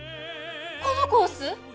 このコース